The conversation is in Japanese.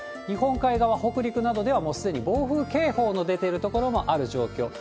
日本海側、北陸などではもうすでに暴風警報の出ている所もある状況。